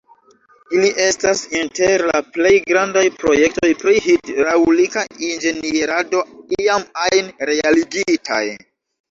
Ili estas inter la plej grandaj projektoj pri hidraŭlika inĝenierado iam ajn realigitaj.